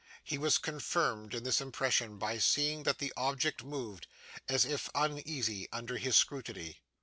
He was confirmed in this impression by seeing that the object moved, as if uneasy under his scrutiny.